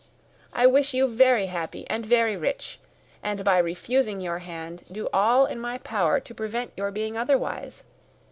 I wish you very happy and very rich, and by refusing your hand, do all in my power to prevent your being otherwise.